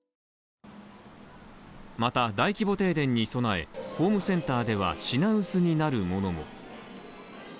また大規模停電に備えホームセンターでは品薄になるものも。